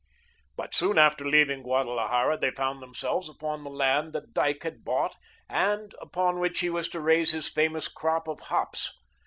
But soon after leaving Guadalajara, they found themselves upon the land that Dyke had bought and upon which he was to raise his famous crop of hops.